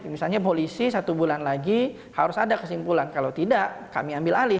misalnya polisi satu bulan lagi harus ada kesimpulan kalau tidak kami ambil alih